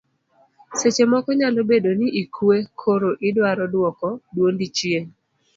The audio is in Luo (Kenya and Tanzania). seche moko nyalo bedo ni ikwe koro idwaro duoko duondi chien